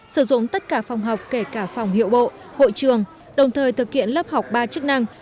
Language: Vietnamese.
sử dụng tất cả phòng học kể cả phòng hiệu bộ hội trường đồng thời thực hiện lớp học ba chức năng